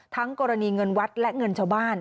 กรณีเงินวัดและเงินชาวบ้าน